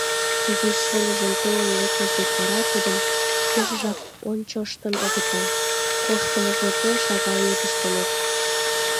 Изи шольыжын толын лекмыж деч вара тудым пешыжак ончыштын огытыл, коштмыж нерген шагал йодыштыныт.